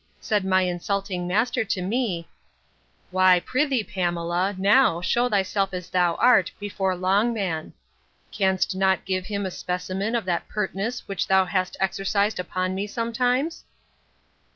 Said my insulting master to me, Why, pr'ythee, Pamela, now, shew thyself as thou art, before Longman. Can'st not give him a specimen of that pertness which thou hast exercised upon me sometimes?